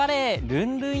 ルンルン！